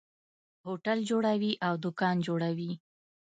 هوټل جوړوي او دکان جوړوي.